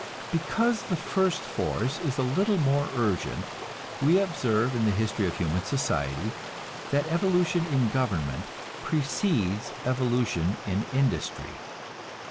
Because the first force is a little more urgent, we observe in the history of human society that evolution in government precedes evolution in industry.